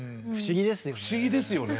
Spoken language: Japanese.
不思議ですよね。